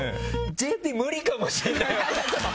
ＪＰ、無理かもしれない。